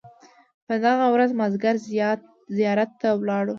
په دغه ورځ مازیګر زیارت ته ولاړو.